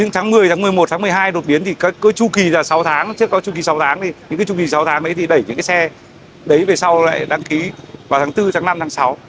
tháng một mươi tháng một mươi một tháng một mươi hai đột biến thì có chú kỷ sáu tháng chứ có chú kỷ sáu tháng thì đẩy những xe về sau lại đăng ký vào tháng bốn tháng năm tháng sáu